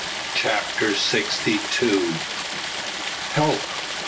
CHAPTER SIXTY TWO. "HELP!